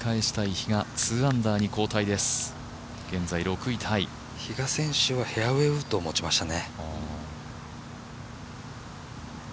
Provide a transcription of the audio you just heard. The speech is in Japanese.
比嘉選手はフェアウェーウッドを持ちましたね。